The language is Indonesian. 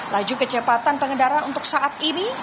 laju kecepatan pengendara untuk saat ini